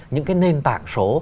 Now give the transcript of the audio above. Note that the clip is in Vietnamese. những cái nền tảng số